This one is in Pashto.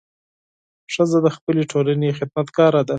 ښځه د خپلې ټولنې خدمتګاره ده.